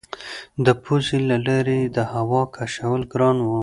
د پوزې له لارې یې د هوا کشول ګران وو.